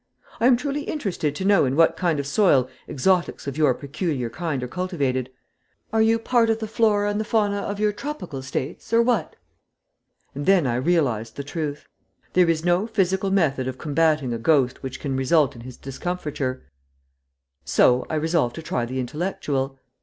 I am truly interested to know in what kind of soil exotics of your peculiar kind are cultivated. Are you part of the fauna or the flora of your tropical States or what?" And then I realized the truth. There is no physical method of combating a ghost which can result in his discomfiture, so I resolved to try the intellectual.